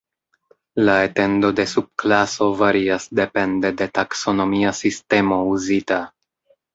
La etendo de subklaso varias depende de taksonomia sistemo uzita.